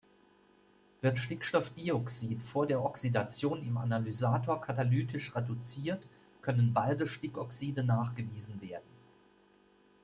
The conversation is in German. Wird Stickstoffdioxid vor der Oxidation im Analysator katalytisch reduziert, können beide Stickoxide nachgewiesen werden.